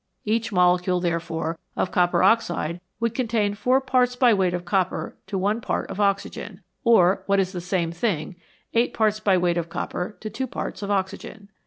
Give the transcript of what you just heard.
Each molecule, therefore, of copper oxide would contain four parts by weight of copper to one part of oxygen, or, what is the same thing, eight parts by weight of copper to two parts of oxygen.